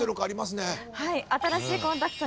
新しいコンタクト。